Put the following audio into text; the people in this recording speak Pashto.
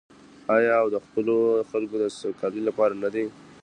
آیا او د خپلو خلکو د سوکالۍ لپاره نه ده؟